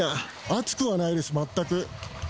暑くはないです、全く。